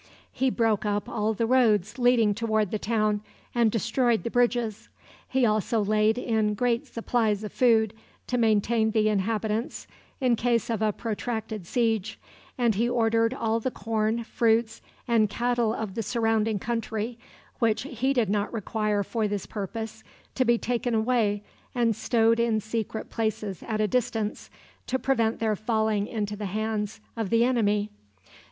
He broke up all the roads leading toward the town, and destroyed the bridges. He also laid in great supplies of food to maintain the inhabitants in case of a protracted siege, and he ordered all the corn, fruits, and cattle of the surrounding country, which he did not require for this purpose, to be taken away and stowed in secret places at a distance, to prevent their falling into the hands of the enemy.